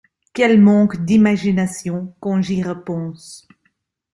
Quel manque d’imagination, quand j’y repense.